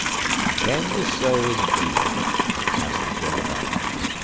"Can ye so, indeed?" asked the Jacobite.